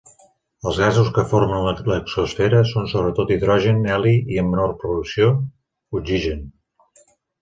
Els gasos que formen l'exosfera són sobretot hidrogen, heli i, en menor proporció, oxigen.